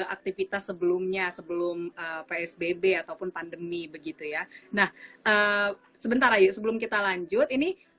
aktivitas sebelumnya sebelum psbb ataupun pandemi begitu ya nah sebentar aja sebelum kita lanjut ini